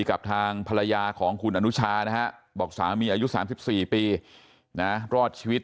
กับทางภรรยาของคุณอนุชานะฮะบอกสามีอายุ๓๔ปีนะรอดชีวิต